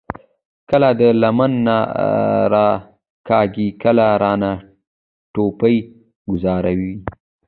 کله د لمن نه راکاږي، کله رانه ټوپۍ ګوذاري ـ